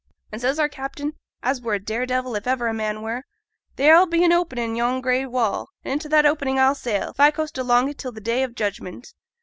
And says our captain as were a dare devil, if ever a man were "There'll be an opening in yon dark gray wall, and into that opening I'll sail, if I coast along it till th' day o' judgment."